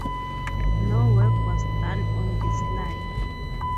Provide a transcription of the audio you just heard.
No work was done on this line.